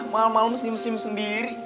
mama lo mesin mesin sendiri